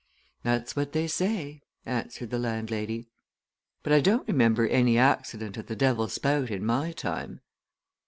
"That's what they say," answered the landlady. "But I don't remember any accident at the Devil's Spout in my time."